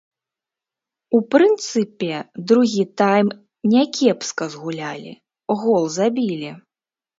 У прынцыпе, другі тайм някепска згулялі, гол забілі.